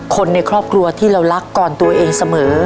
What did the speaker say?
คนในครอบครัวที่เรารักก่อนตัวเองเสมอ